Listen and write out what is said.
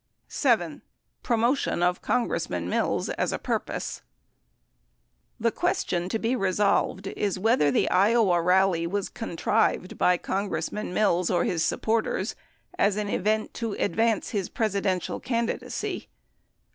7. PROMOTION OF CONGRESSMAN MILLS AS A PURPOSE The question to be resolved is whether the Iowa rally was contrived by Congressman Mills or his supporters as an event to advance his Presidential candidacy.